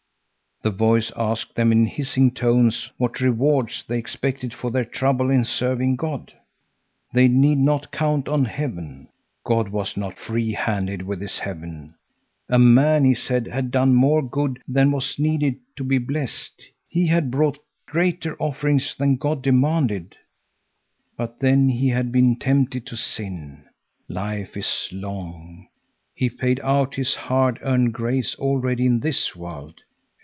The voice asked them in hissing tones what rewards they expected for their trouble in serving God. They need not count on heaven. God was not freehanded with His heaven. A man, he said, had done more good than was needed to be blessed. He had brought greater offerings than God demanded. But then he had been tempted to sin. Life is long. He paid out his hard earned grace already in this world.